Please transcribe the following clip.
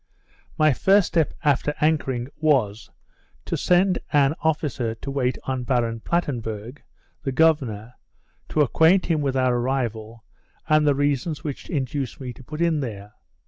My first step after anchoring, was, to send an officer to wait on Baron Plettenberg, the governor, to acquaint him with our arrival, and the reasons which induced me to put in there.